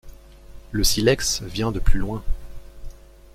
Le silex vient de plus loin...